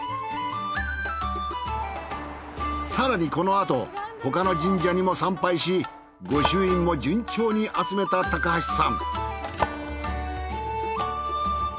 更にこのあと他の神社にも参拝し御朱印も順調に集めた高橋さん。